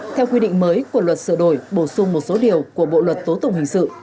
theo quy định mới của luật sửa đổi bổ sung một số điều của bộ luật tố tụng hình sự